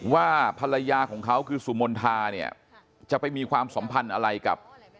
ว่าภรรยาของเขาคือสุมนทาเนี่ยจะไปมีความสัมพันธ์อะไรกับ